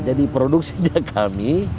jadi produksi saja kami